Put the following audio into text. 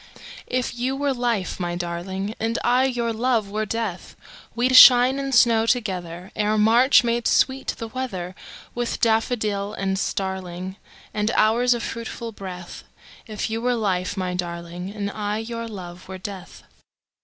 If you were life, my darling, And I your love were death, We'd shine and snow togetherEre March made sweet the weatherWith daffodil and starlingAnd hours of fruitful breath; If you were life, my darling, And I your love were death.